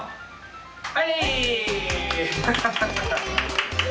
はい！